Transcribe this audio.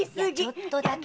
ちょっとだけ！